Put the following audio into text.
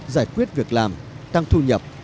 giải quyết việc làm tăng thu nhập